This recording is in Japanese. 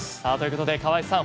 川合さん